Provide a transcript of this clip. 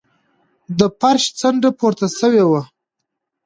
د فرش څنډه پورته شوې وه.